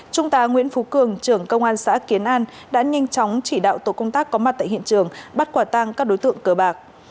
trung tá nguyễn phú cường trưởng công an xã kiến an đã nhanh chóng chỉ đạo tổ công tác có mặt tại hiện trường bắt quả tang các đối tượng cờ bạc